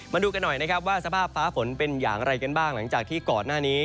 มาดูกันหน่อยนะครับว่าสภาพฟ้าฝนเป็นอย่างไรกันบ้างหลังจากที่ก่อนหน้านี้